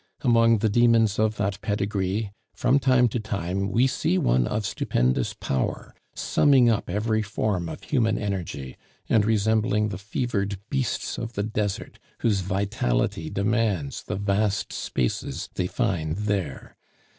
Among the demons of that pedigree, from time to time we see one of stupendous power, summing up every form of human energy, and resembling the fevered beasts of the desert, whose vitality demands the vast spaces they find there.